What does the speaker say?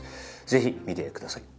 ぜひ見てください。